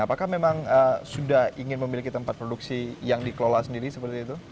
apakah memang sudah ingin memiliki tempat produksi yang dikelola sendiri seperti itu